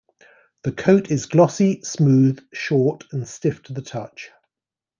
The coat is glossy, smooth, short, and stiff to the touch.